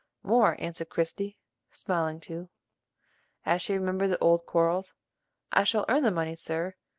"More," answered Christie, smiling too, as she remembered the old quarrels. "I shall earn the money, sir.